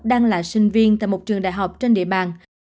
đang là sinh viên tại một trường đại học trên địa bàn